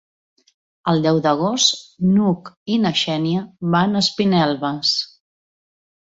El deu d'agost n'Hug i na Xènia van a Espinelves.